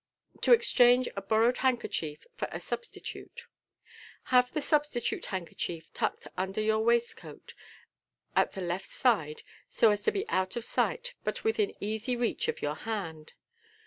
To EXCHANOB A BORROWBD HANDKERCHIEF FOR A SUBSTI TUTE.—Have the substitute handkerchief tucked under your waist coat, at the left side, so as to be out of sight, but within easy reach of your hand.